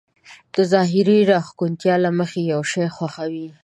د ظاهري راښکونتيا له مخې يو شی خوښوي.